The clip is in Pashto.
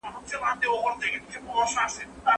کمپيوټر کيبورډ بدلوي.